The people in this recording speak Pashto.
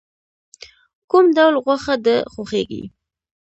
کوم ډول غوښه د خوښیږی؟